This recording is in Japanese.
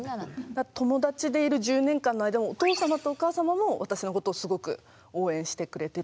友達でいる１０年間の間もお父様とお母様も私のことをすごく応援してくれてたっていう感じで。